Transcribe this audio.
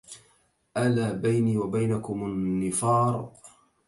ألا بيني وبينكم النفار